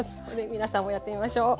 皆さんもやってみましょう。